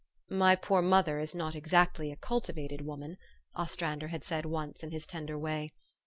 (" My poor mother is not exactly a cultivated woman," Ostrander had said once in his tender way.)